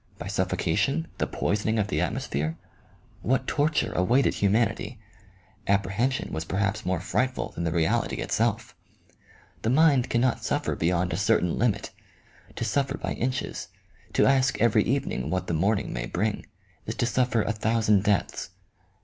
By suffocation, the poisoning of the atmos phere ? What torture awaited humanity ? Apprehension was perhaps more frightful than the reality itself. The mind cannot suffer beyond a certain limit. To suffer by inches, to ask every evening what the morning may bring, is to surfer a thousand deaths.